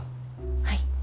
はい。